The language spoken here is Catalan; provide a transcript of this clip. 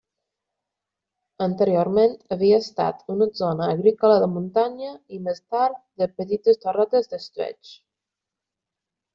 Anteriorment havia estat una zona agrícola de muntanya i més tard de petites torretes d'estiueig.